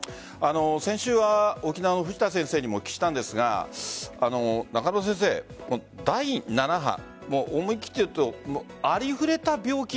先週は沖縄の藤田先生にもお聞きしたんですが第７波、思い切って言うとありふれた病気。